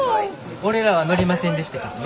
俺らは載りませんでしたけどね。